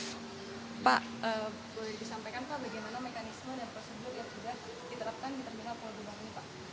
pak boleh disampaikan pak bagaimana mekanisme dan prosedur yang sudah diterapkan di terminal pulau gebang ini pak